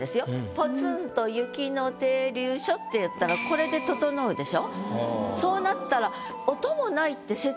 「ぽつんと雪の停留所」って言ったらこれで整うでしょ？